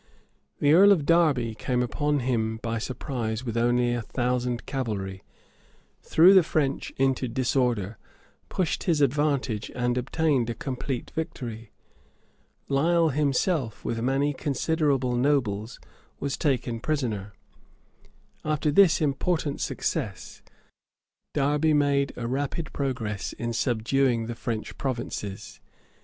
} The earl of Derby came upon him by surprise with only a thousand cavalry, threw the French into disorder, pushed his advantage, and obtained a complete victory. Lisle himself, with many considerable nobles, was taken prisoner.[] After this important success, Derby made a rapid progress in subduing the French provinces.